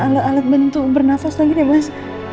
alat alat bentuk bernafas lagi deh mas